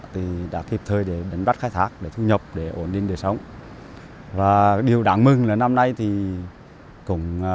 thì đã kịp thời để đánh bắt khai thác